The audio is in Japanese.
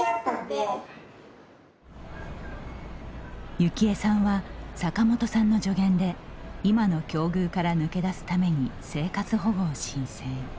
幸恵さんは、坂本さんの助言で今の境遇から抜け出すために生活保護を申請。